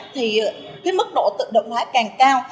thì cái mức độ tự động hóa càng cao